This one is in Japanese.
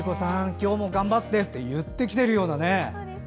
今日も頑張ってっていってきてるようなね。